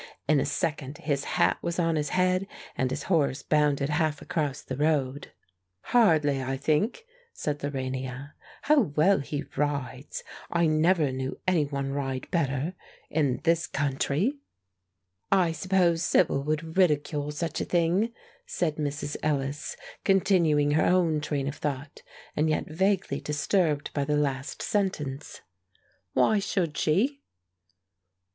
In a second his hat was on his head and his horse bounded half across the road. "Hardly, I think," said Lorania. "How well he rides! I never knew any one ride better in this country." "I suppose Sibyl would ridicule such a thing," said Mrs. Ellis, continuing her own train of thought, and yet vaguely disturbed by the last sentence. "Why should she?"